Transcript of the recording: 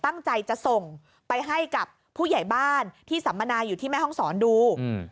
ตั้งใจจะส่งไปให้กับผู้ใหญ่บ้านที่สัมมนาอยู่ที่แม่ห้องศรดูอืม